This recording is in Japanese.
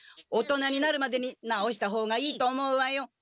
大人になるまでに直した方がいいと思うわよ。